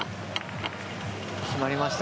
決まりました。